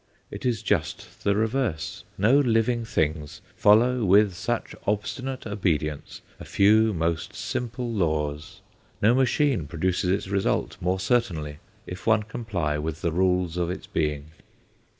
It is just the reverse. No living things follow with such obstinate obedience a few most simple laws; no machine produces its result more certainly, if one comply with the rules of its being.